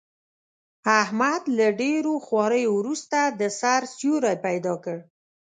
احمد له ډېرو خواریو ورسته، د سر سیوری پیدا کړ.